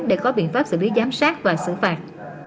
để có biện pháp xử lý giám sát và xử phạt